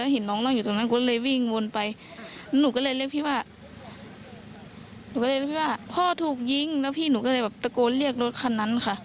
หนูก็เรียกพี่ว่าพ่อถูกยิงแล้วพี่หนูก็เลยแบบตะโกนเรียกรถคันนั้นค่ะ